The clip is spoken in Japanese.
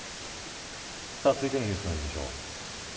続いてのニュースまいりましょう。